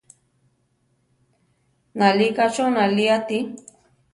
Nalíka cho náli ati.